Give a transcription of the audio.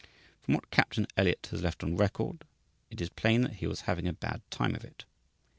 From what Captain Elliot has left on record it is plain that he was having a bad time of it.